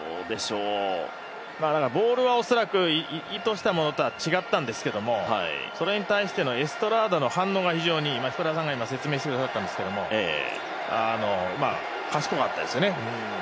ボールはおそらく意図したものとは違ったんですけどそれに対してのエストラーダの反応が福田さんが説明してくださったんですけど、賢かったですよね。